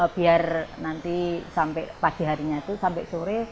biar nanti sampai pagi harinya itu sampai sore